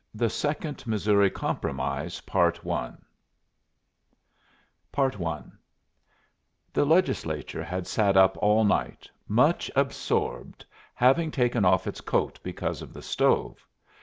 THE SECOND MISSOURI COMPROMISE I The Legislature had sat up all night, much absorbed, having taken off its coat because of the stove.